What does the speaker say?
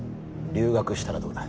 留学したらどうだ？